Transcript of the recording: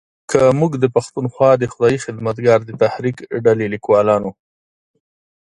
که موږ د پښتونخوا د خدایي خدمتګار د تحریک ډلې لیکوالانو